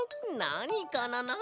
なにかな？